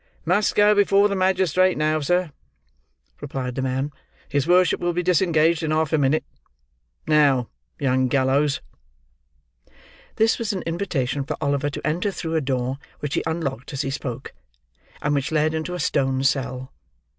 "Must go before the magistrate now, sir," replied the man. "His worship will be disengaged in half a minute. Now, young gallows!" This was an invitation for Oliver to enter through a door which he unlocked as he spoke, and which led into a stone cell.